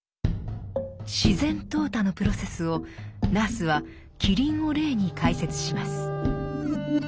自然淘汰のプロセスをナースはキリンを例に解説します。